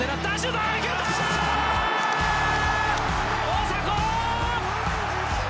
大迫！